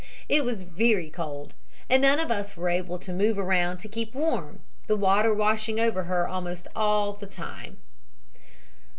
It was very cold and none of us were able to move around to keep warm, the water washing over her almost all the time.